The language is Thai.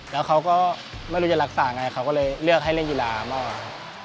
แล้วเขาก็ไม่รู้จะรักษาไงเขาก็เลยเลือกให้เล่นกีฬามากกว่าครับ